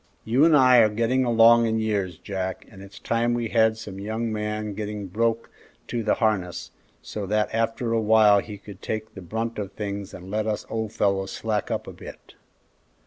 You and I are getting along in years, Jack, and it's time we had some young man getting broke to the harness, so that after a while he could take the brunt of things and let us old fellows slack up a bit."